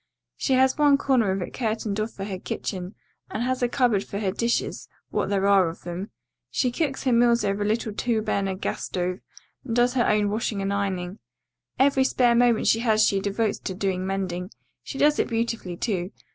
She has one corner of it curtained off for her kitchen and has a cupboard for her dishes, what there are of them. She cooks her meals over a little two burner gas stove, and does her own washing and ironing. Every spare moment she has she devotes to doing mending. She does it beautifully, too.